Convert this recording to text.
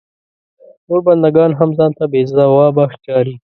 نور بنده ګان هم ځان ته بې ځوابه ښکاري.